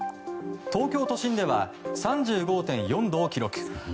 東京都心では３５．４度を記録。